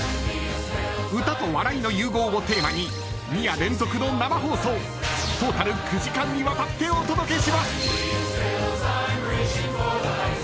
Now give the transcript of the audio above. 歌と笑いの融合をテーマに２夜連続の生放送トータル９時間にわたってお届けします。